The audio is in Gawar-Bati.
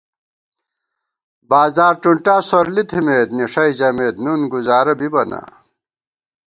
بازار ٹُنٹا سورلی تھِمېت نِݭَئ ژَمېت نُن گزارہ بِبہ نا